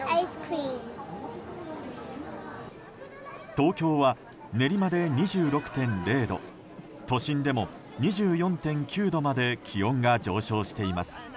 東京は練馬で２６度都心でも２４．９度まで気温が上昇しています。